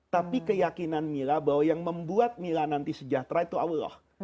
tapi keyakinan mila bahwa yang membuat mila nanti sejahtera itu allah